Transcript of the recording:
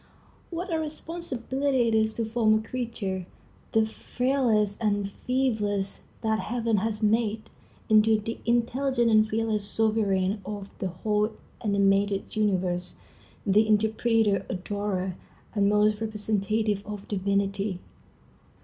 What a responsibility it is to form a creature, the frailest and feeblest that heaven has made, into the intelligent and fearless sovereign of the whole animated universe, the interpreter, adorer, and almost representative of Divinity!